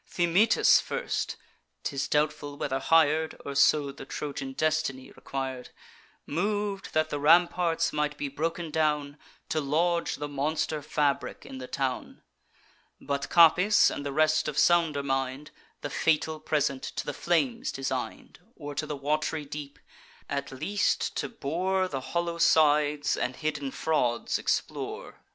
Thymoetes first ('tis doubtful whether hir'd, Or so the Trojan destiny requir'd) Mov'd that the ramparts might be broken down, To lodge the monster fabric in the town. But Capys, and the rest of sounder mind, The fatal present to the flames designed, Or to the wat'ry deep; at least to bore The hollow sides, and hidden frauds explore.